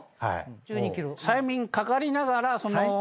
催眠かかりながらその。